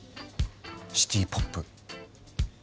シティ・ポップ。